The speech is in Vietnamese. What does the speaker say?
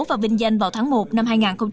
và vinh danh vào tháng một năm hai nghìn hai mươi